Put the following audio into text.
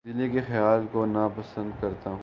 تبدیلی کے خیال کو نا پسند کرتا ہوں